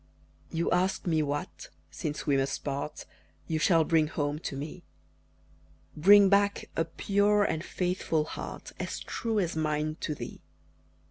You ask me what since we must part You shall bring home to me; Bring back a pure and faithful heart, As true as mine to thee.